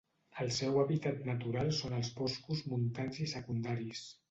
El seu hàbitat natural són els boscos montans i secundaris.